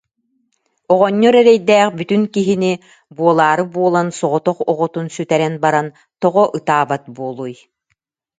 Оҕонньор эрэйдээх бүтүн киһини, буолаары буолан, соҕотох оҕотун сүтэрэн баран, тоҕо ытаабат буолуой